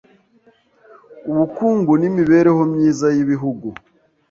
ubukungu n’imibereho myiza yibihugu